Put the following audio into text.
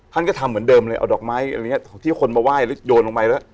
ท่านก็ทำเหมือนเดิมเลยเอาดอกไม้อะไรอย่างเงี้ยที่คนมาไหว้แล้วโยนลงไปแล้ว